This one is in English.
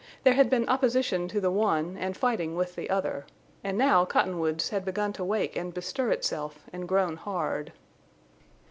There had been opposition to the one and fighting with the other. And now Cottonwoods had begun to wake and bestir itself and grown hard.